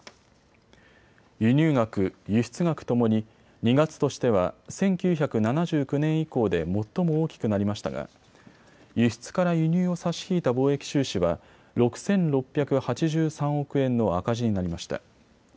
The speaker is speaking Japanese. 輸入額、輸出額ともに２月としては１９７９年以降で最も大きくなりましたが輸出から輸入を差し引いた貿易収支は６６８３億円の赤字になりました。